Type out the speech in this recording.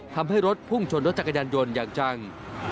ทำให้รถพุ่งชนรถจักรยานยนต์อย่างจัง